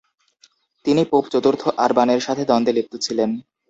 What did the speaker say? তিনি পোপ চতুর্থ আরবানের সাথে দ্বন্দ্বে লিপ্ত ছিলেন।